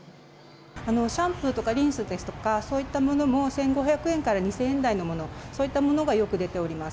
シャンプーとかリンスですとか、そういったものも１５００円から２０００円台のもの、そういったものがよく出ております。